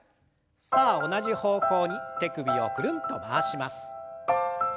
さあ同じ方向に手首をくるんと回します。